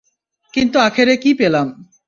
কিন্তু আখেরে কী পেলাম?